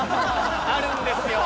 あるんですよ。